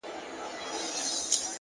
هره تجربه نوی حکمت زېږوي,